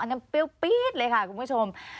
นั้นเปรี้ยวปี๊ดเลยค่ะคุณผู้ชม